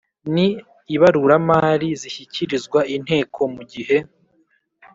N ibaruramari zishyikirizwa inteko mu gihe